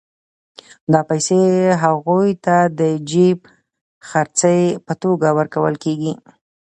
دا پیسې هغوی ته د جېب خرچۍ په توګه ورکول کېږي